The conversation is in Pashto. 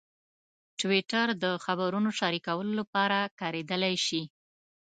ټویټر د خبرونو شریکولو لپاره کارېدلی شي.